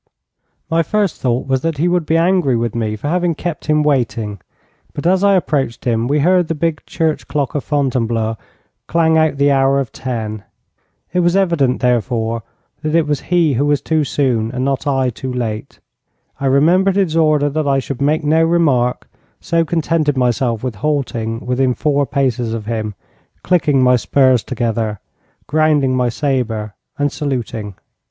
My first thought was that he would be angry with me for having kept him waiting, but as I approached him, we heard the big church clock of Fontainebleau clang out the hour of ten. It was evident, therefore, that it was he who was too soon, and not I too late. I remembered his order that I should make no remark, so contented myself with halting within four paces of him, clicking my spurs together, grounding my sabre, and saluting.